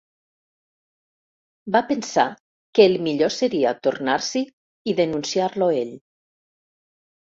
Va pensar que el millor seria tornar-s'hi i denunciar-lo ell.